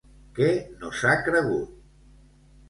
Què no s'ha cregut?